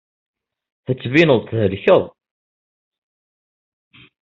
Tettbineḍ-d thelkeḍ.